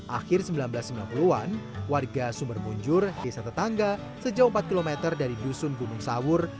akhir seribu sembilan ratus sembilan puluh an warga sumber munjur desa tetangga sejauh empat km dari dusun gunung sawur